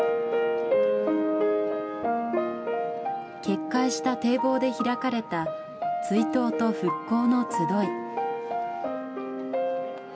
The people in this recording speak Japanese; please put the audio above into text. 決壊した堤防で開かれた追悼と復興のつどい。